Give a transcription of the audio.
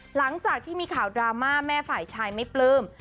หลังจากที่มีข่าวดราม่าแม่ฝ่ายชายไม่ปลื้ม